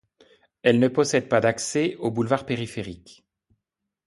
Elle ne possède pas d'accès au boulevard périphérique.